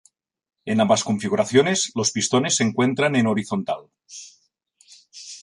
En ambas configuraciones, los pistones se encuentran en horizontal.